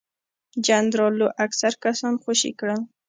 جنرال لو اکثر کسان خوشي کړل.